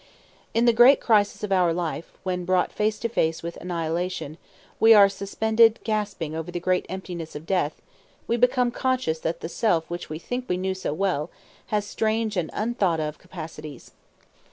In the great crisis of our life, when, brought face to face with annihilation, we are suspended gasping over the great emptiness of death, we become conscious that the Self which we think we knew so well has strange and unthought of capacities.